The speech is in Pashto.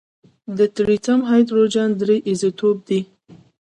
د ټریټیم هایدروجن درې ایزوټوپ دی.